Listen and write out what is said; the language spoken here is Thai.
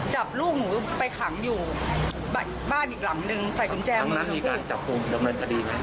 จับลูกหนูไปขังอยู่บ้านอีกหลังนึงใส่กุญแจตรงนั้นมีการจับกลุ่มดำเนินคดีไหม